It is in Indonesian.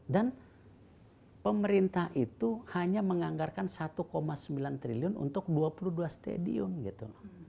dan pemerintah itu hanya menganggarkan satu sembilan triliun untuk dua puluh dua stadion gitu